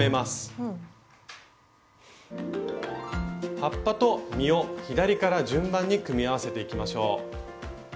葉っぱと実を左から順番に組み合わせていきましょう。